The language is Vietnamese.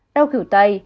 đau khỉu tay